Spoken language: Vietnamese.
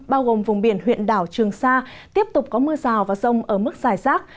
bao gồm vùng biển huyện đảo trường sa tiếp tục có mưa rào và rông ở mức dài rác